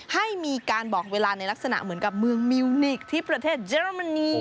ให้มีการบอกเวลาในลักษณะเหมือนกับเมืองมิวนิกที่ประเทศเยอรมนี